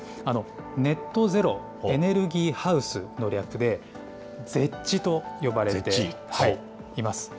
ネット・ゼロ・エネルギー・ハウスの略で、ゼッチと呼ばれています。